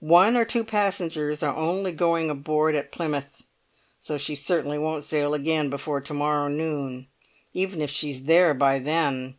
One or two pasengers are only going aboard at Plymouth, so she certainly won't sail again before to morrow noon, even if she's there by then.